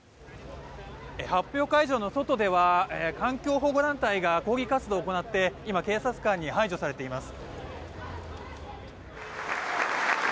発表会場の外では環境保護団体が抗議活動を行って今、警察官に排除されています。